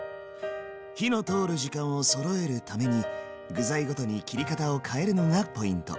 火の通る時間をそろえるために具材ごとに切り方を変えるのがポイント。